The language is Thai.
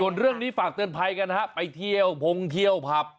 ส่วนเรื่องนี้ฝากเตือนภัยกันฮะไปเที่ยวพงเที่ยวผับ